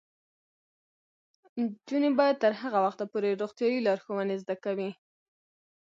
نجونې به تر هغه وخته پورې روغتیايي لارښوونې زده کوي.